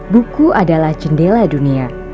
buku adalah jendela dunia